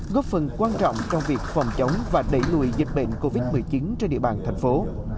góp phần quan trọng trong việc phòng chống và đẩy lùi dịch bệnh covid một mươi chín trên địa bàn thành phố